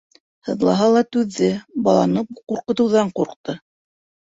Һыҙлаһа ла түҙҙе, баланы ҡурҡытыуҙан ҡурҡты.